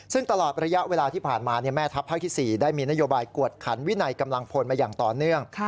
ซึ่งตลอดระยะเวลาที่ผ่านมาแม่ทัพภาคที่๔ได้มีนโยบายกวดขันวินัยกำลังพลมาอย่างต่อเนื่อง